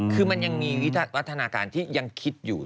คือมันยังมีวิวัฒนาการที่ยังคิดอยู่